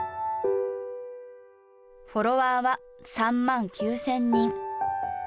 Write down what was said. フォロワーは３万９０００人。